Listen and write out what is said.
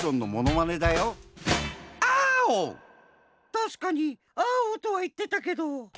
たしかに「アーオ」とは言ってたけど。